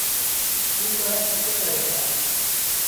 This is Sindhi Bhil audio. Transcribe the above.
ٻوڙآ سُڪي وهيݩ دآ۔